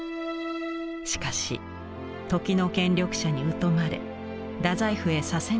しかし時の権力者に疎まれ大宰府へ左遷となりました。